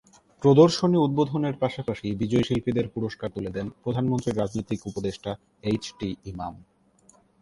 প্রদর্শনী উদ্বোধনের পাশাপাশি বিজয়ী শিল্পীদের পুরস্কার তুলে দেন প্রধানমন্ত্রীর রাজনৈতিক উপদেষ্টা এইচ টি ইমাম।